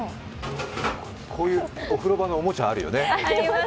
こういうお風呂場のおもちゃあるよね。